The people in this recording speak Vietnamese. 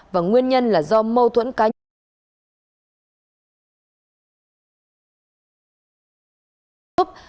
và nguyên nhân là do mâu thuẫn cá nhân